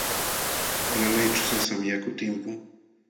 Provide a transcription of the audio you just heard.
Alalayćhu sasam yaku timpun.